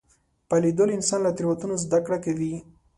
په لیدلو انسان له تېروتنو زده کړه کوي